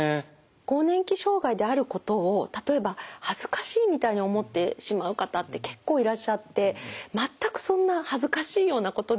更年期障害であることを例えば恥ずかしいみたいに思ってしまう方って結構いらっしゃって全くそんな恥ずかしいようなことではないんですね。